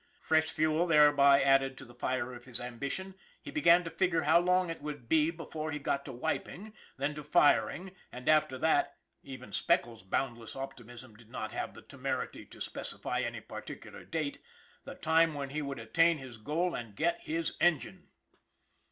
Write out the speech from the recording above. Fresh fuel thereby added to the fire of his ambition, he began to figure how long it would be before he got to wiping, then to firing, and after that even Speckles' boundless optimism did not have the temerity to specify any particular date the time when he would attain his goal and get his engine.